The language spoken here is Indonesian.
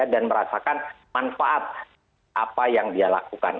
dan merasakan manfaat apa yang dia lakukan